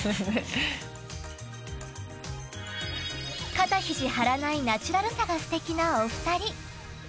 肩ひじ張らないナチュラルさが素敵なお二人。